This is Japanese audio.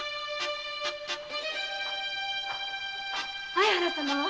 相原様は？